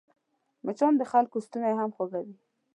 مچان د خلکو ستونی هم خوږوي